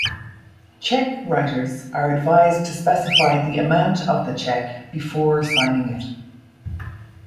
Cheque writers are advised to specify the amount of the cheque before signing it.